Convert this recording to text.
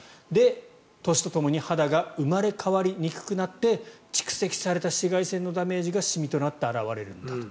年とともに肌が生まれ変わりにくくなって蓄積された紫外線のダメージがシミとなって現れると。